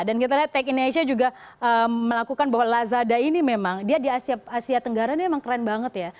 dan kita lihat tech in asia juga melakukan bahwa lazada ini memang dia di asia tenggara ini memang keren banget ya